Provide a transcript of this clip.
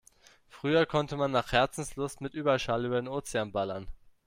Früher konnte man nach Herzenslust mit Überschall über den Ozean ballern.